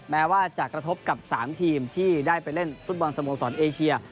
แม้ว่าจะกระทบกับ๓ทีมที่ได้ไปเล่นฟุตบอลสโมสรเอเชีย